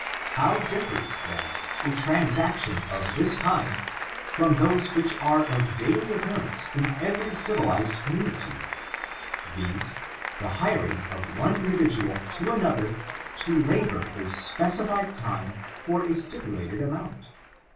How differs then a transaction of this kind from those which are of daily occurrence in every civilized community, viz : the hiring of one individual to another to labor a specified time for a stipulated amount